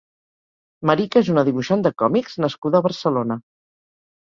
Marika és una dibuixant de còmics nascuda a Barcelona.